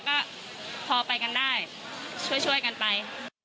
ก็พอไปกันได้ช่วยกันไป